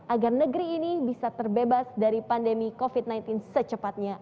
agar negeri ini bisa terbebas dari pandemi covid sembilan belas secepatnya